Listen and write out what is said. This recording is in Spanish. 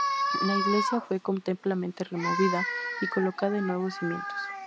La iglesia fue completamente removida y colocada en nuevos cimientos.